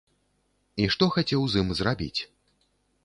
І што хацеў з ім зрабіць?